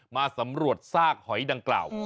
มาสำรวจซากหอยดังกล่าว